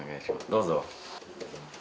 どうぞ。